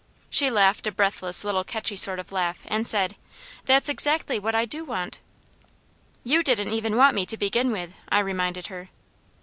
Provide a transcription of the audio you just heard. She laughed a breathless little catchy sort of laugh and said: "That's exactly what I do want." "You didn't even want me, to begin with," I reminded her.